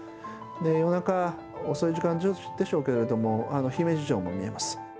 で夜中遅い時間でしょうけれども姫路城も見えます。